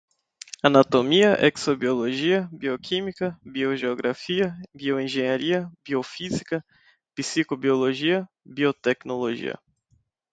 anatomia, exobiologia, bioquímica, biogeografia, bioengenharia, biofísica, psicobiologia, biotecnologia